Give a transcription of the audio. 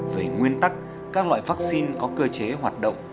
về nguyên tắc các loại vaccine có cơ chế hoạt động